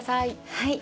はい。